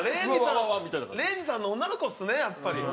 礼二さんの女の子っすねやっぱり。